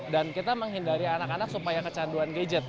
dan kita menghindari anak anak supaya kecanduan gadget